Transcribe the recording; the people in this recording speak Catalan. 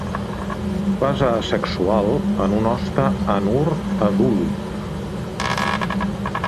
Fase asexual en un hoste anur adult.